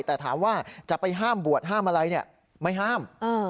แต่ถามว่าจะไปห้ามบวชห้ามอะไรไม่ห้าม